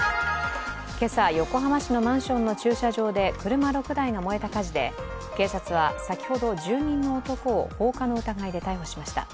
今朝横浜市のマンションの駐車場で車６台が燃えた火事で警察は先ほど、住人の男を放火の疑いで逮捕しました。